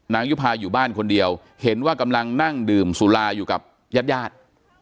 ยุภาอยู่บ้านคนเดียวเห็นว่ากำลังนั่งดื่มสุราอยู่กับญาติญาติ